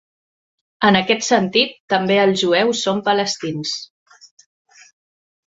En aquest sentit, també els jueus són palestins.